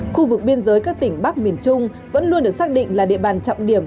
khu vực biên giới các tỉnh bắc miền trung vẫn luôn được xác định là địa bàn trọng điểm